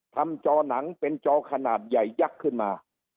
จอหนังเป็นจอขนาดใหญ่ยักษ์ขึ้นมา